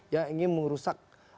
jangan ingin merusak